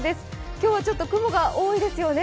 今日はちょっと雲が多いですよね。